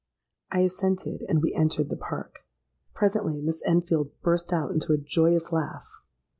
'—I assented; and we entered the Park. Presently Miss Enfield burst out into a joyous laugh.